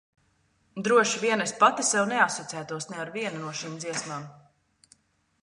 Droši vien es pati sev neasociētos ne ar vienu no šīm dziesmām.